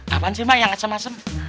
apaan sih yang asem asem